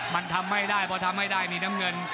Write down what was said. มันทำไม่ได้พอทำไม่ได้นี่น้ำเงิน